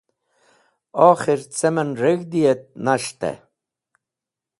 Okhir cem en reg̃hdi et nas̃hte.